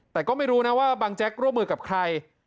แต่ก็ไม่รู้นะว่าบางแจ๊กร่วมมือกับใคร